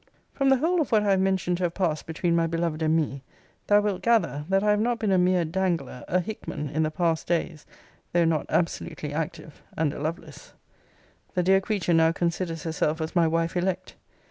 From the whole of what I have mentioned to have passed between my beloved and me, thou wilt gather, that I have not been a mere dangler, a Hickman, in the passed days, though not absolutely active, and a Lovelace. The dear creature now considers herself as my wife elect.